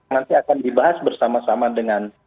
nanti akan dibahas bersama sama dengan